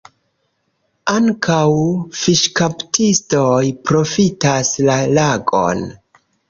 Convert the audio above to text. Ankaŭ fiŝkaptistoj profitas la lagon.